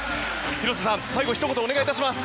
広瀬さん、最後ひと言お願いします。